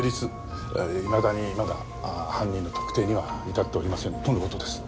いまだにまだ犯人の特定には至っておりませんとの事です。